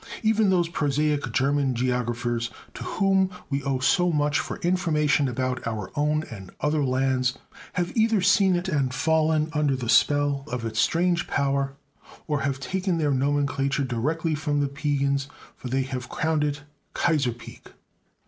Even those prosaic German geographers to whom we owe so much for information about our own and other lands have either seen it and fallen under the spell of its strange power, or have taken their nomenclature directly from the Piegans, for they have crowned it Kaiser Peak.